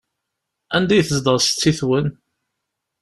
Anda i tezdeɣ setti-twen?